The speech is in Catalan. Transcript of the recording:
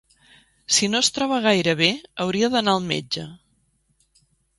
Si no es troba gaire bé hauria d'anar al metge.